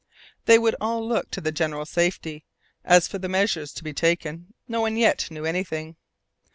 They would all look to the general safety; as for the measures to be taken, no one yet knew anything.